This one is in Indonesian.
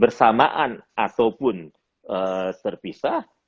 bersamaan ataupun serpisah